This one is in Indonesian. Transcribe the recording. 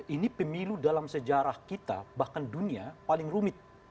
ini pemilu dalam sejarah kita bahkan dunia paling rumit